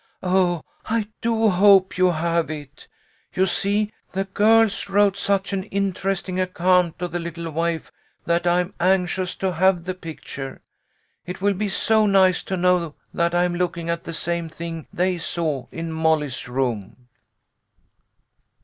" Oh, I do hope you have it. You see the girls wrote such an interesting account of the little waif that I'm anxious to have the picture. It will be so nice to know that I'm looking at the same thing they saw in Molly's room.